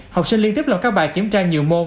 học sinh liên tiếp làm các bài kiểm tra nhiều môn